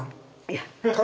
いや。